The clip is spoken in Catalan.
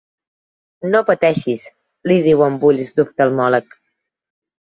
No pateixis —li diu amb ulls d'oftalmòleg—.